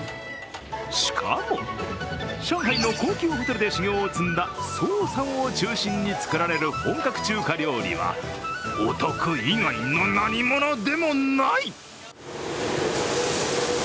しかも、上海の高級ホテルで修行を積んだ曽さんを中心に作られる本格中華料理はお得以外の何ものでもない！